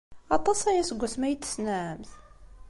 Aṭas aya seg wasmi ay t-tessnemt?